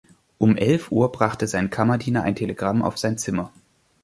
Um elf Uhr brachte sein Kammerdiener ein Telegramm auf sein Zimmer.